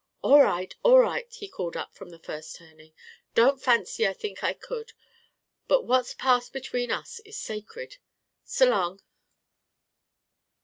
"All right! All right!" he called up from the first turning. "Don't fancy I think I could. And what's passed between us is sacred. S'long."